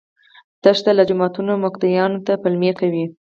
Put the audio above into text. تښتي له جوماته مقتديانو ته پلمې کوي